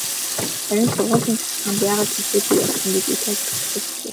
Харин сургуулийн захиргаанд яагаад хэлээгүй явсан гэдгээ тайлбарлах хэрэгтэй.